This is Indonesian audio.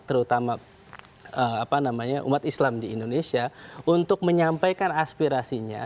terutama umat islam di indonesia untuk menyampaikan aspirasinya